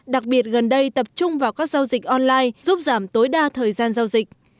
đặc biệt gần đây tập trung vào các giao dịch online giúp giảm tối đa thời gian giao dịch